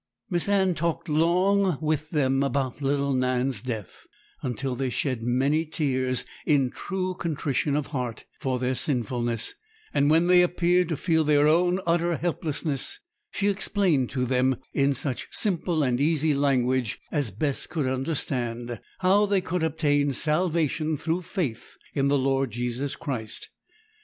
Miss Anne talked long with them about little Nan's death, until they shed many tears in true contrition of heart for their sinfulness; and when they appeared to feel their own utter helplessness, she explained to them, in such simple and easy language as Bess could understand, how they could obtain salvation through faith in the Lord Jesus Christ.